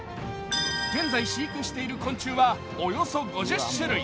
現在、飼育している昆虫はおよそ５０種類。